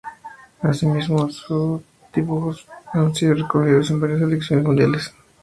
Asimismo, sus dibujos han sido recogidos en varias Selecciones Mundiales.